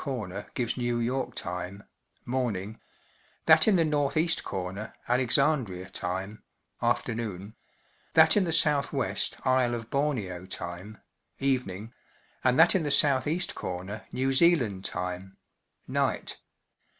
corner gives New York time (morn¬ ing), that in the N.E, corner Alexandria I time (afternoon), that in the SAV. Isle of Borneo time (evening), and that in the S.E. corner New Zealand time (night).